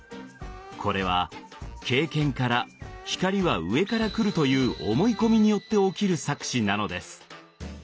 これは経験から光は上から来るという思い込みによって起きる錯視なのです。